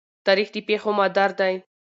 تاریخ د پېښو مادر دی.